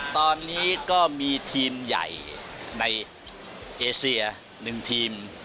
ตอนนี้ก็มีทีมใหญ่ในเอเซีย๑ทีม